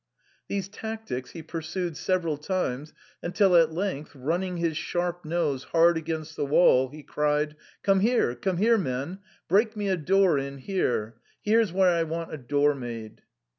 These tactics he pursued several times, until at length, running his sharp nose hard against the wall, he cried, " Come here, come here, men ! break me a door in here ! Here's where I want a door made